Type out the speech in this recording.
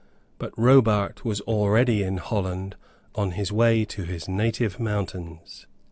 But Robart was already in Holland on his way to his native mountains.